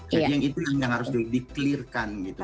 jadi yang itu yang harus di clear kan gitu